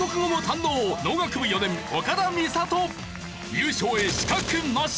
優勝へ死角なし！